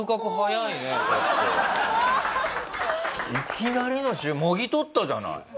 いきなりもぎとったじゃない。